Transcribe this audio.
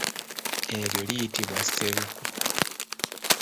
Eryo liyitibwa sseruku.